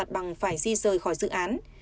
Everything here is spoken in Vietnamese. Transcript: các đơn vị thuê mặt bằng phải di rời khỏi dự án